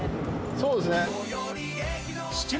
そうですね。